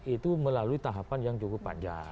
itu melalui tahapan yang cukup panjang